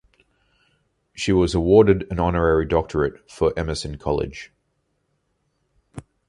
She was awarded an honorary doctorate from Emerson College.